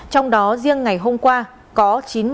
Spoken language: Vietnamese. trong đó riêng ngày hôm qua có chín mươi hai bốn trăm bốn mươi năm